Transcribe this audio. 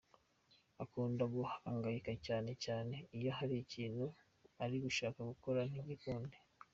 Akunda guhangayika cyane cyane iyo hari ikintu ari gushaka gukora ntigikunde.